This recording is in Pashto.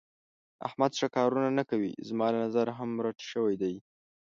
احمد ښه کارونه نه کوي. زما له نظره هم رټ شوی دی.